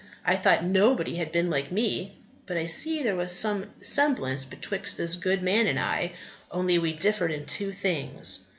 I thought nobody had been like me, but I see there was some semblance betwixt this good man and I, only we differed in two things.